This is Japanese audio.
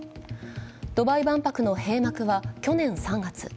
ドバイ万博の閉幕は去年３月。